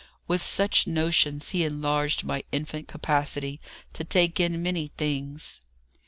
With such notions he enlarged my infant capacity to take in many things.